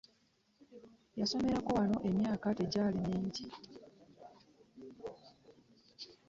Yasomerako wano emyaka tegyali mingi.